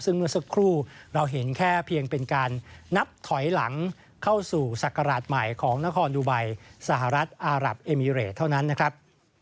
ซึ่งเมื่อสักครู่เราเห็นแค่เพียงเป็นการนับถอยหลังเข้าสู่ศักราชใหม่ของนครดูไบสหรัฐอารับเอมิเรตเท่านั้นนะครับ